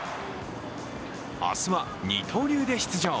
明日は二刀流で出場。